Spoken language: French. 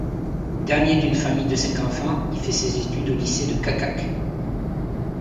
Dernier d'une famille de cinq enfants, il fait ses études au lycée de Čačak.